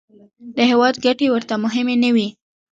د هېواد ګټې ورته مهمې نه وې.